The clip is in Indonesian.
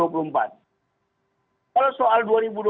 kalau soal dua ribu dua puluh